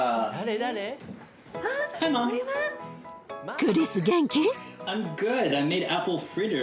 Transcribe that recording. クリス元気？